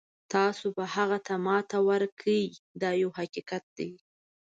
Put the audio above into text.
تاسو به هغه ته ماتې ورکړئ دا یو حقیقت دی.